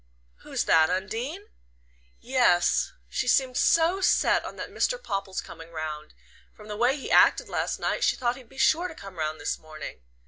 "Who's that? Undine?" "Yes. She seemed so set on that Mr. Popple's coming round. From the way he acted last night she thought he'd be sure to come round this morning.